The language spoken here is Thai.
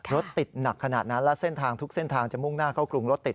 รถติดหนักขนาดนั้นและเส้นทางทุกเส้นทางจะมุ่งหน้าเข้ากรุงรถติด